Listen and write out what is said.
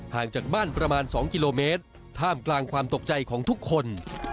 จากบ้านประมาณ๒กิโลเมตรท่ามกลางความตกใจของทุกคน